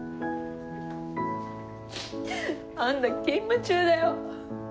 あんた勤務中だよ。